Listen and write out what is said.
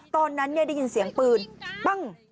ตอนนั้นได้ยินเสียงปืนปั้ง